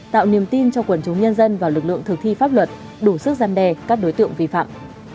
tạo niềm tin cho quần chúng nhân dân và lực lượng thực thi pháp luật đủ sức gian đe các đối tượng vi phạm